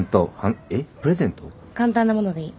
簡単なものでいい。